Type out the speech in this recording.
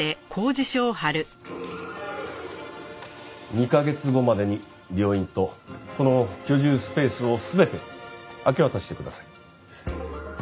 ２カ月後までに病院とこの居住スペースを全て明け渡してください。